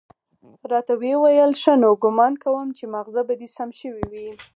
راته ويې ويل ښه نو ګومان کوم چې ماغزه به دې سم شوي وي.